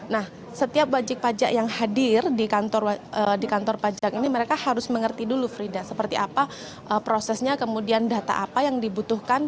nah setiap wajib pajak yang hadir di kantor pajak ini mereka harus mengerti dulu frida seperti apa prosesnya kemudian data apa yang dibutuhkan